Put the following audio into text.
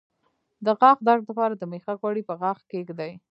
د غاښ درد لپاره د میخک غوړي په غاښ کیږدئ